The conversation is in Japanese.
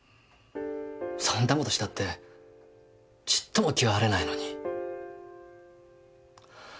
そんな事したってちっとも気は晴れないのに。